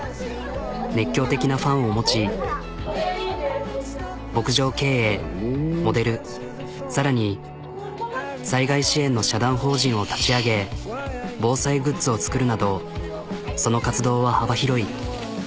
熱狂的なファンを持ち牧場経営モデル更に災害支援の社団法人を立ち上げ防災グッズを作るなどその活動は幅広い。